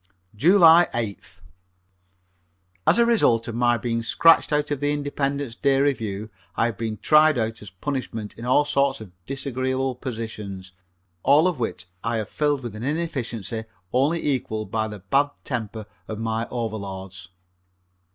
July 8th. As a result of my being scratched out of the Independence day review I have been tried out as punishment in all sorts of disagreeable positions, all of which I have filled with an inefficiency only equaled by the bad temper of my over lords.